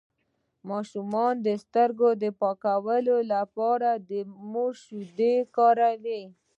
د ماشوم د سترګو د پاکوالي لپاره د مور شیدې وکاروئ